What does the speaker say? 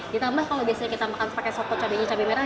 ditambah kalau biasanya kita makan pakai soto cabainya cabai merah